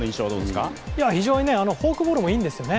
非常にフォークボールもいいんですよね。